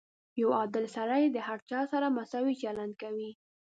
• یو عادل سړی د هر چا سره مساوي چلند کوي.